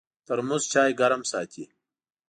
ترموز چای ګرم ساتي.